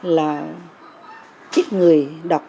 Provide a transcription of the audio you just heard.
là ít người đọc